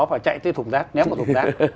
và chạy tới thùng rác nhém vào thùng rác